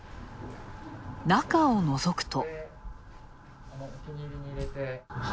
中をのぞくと。